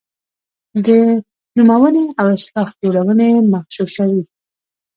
د نومونې او اصطلاح جوړونې مغشوشوي.